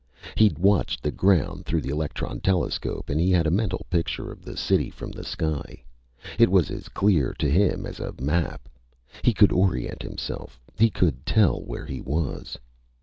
He'd watched the ground through the electron telescope and he had a mental picture of the city from the sky. It was as clear to him as a map. He could orient himself. He could tell where he was.